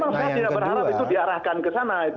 memang saya tidak berharap itu diarahkan ke sana itu